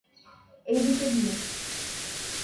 এই দিকে দিয়ে।